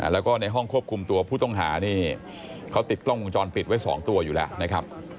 แล้วก็ในห้องควบคุมตัวผู้ต้องหานี่เขาติดกล้องวงจรปิดไว้๒ตัวอยู่แล้วนะครับ